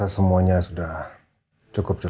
saya rasa semuanya sudah cukup jelas